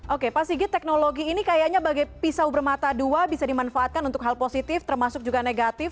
oke pak sigit teknologi ini kayaknya bagai pisau bermata dua bisa dimanfaatkan untuk hal positif termasuk juga negatif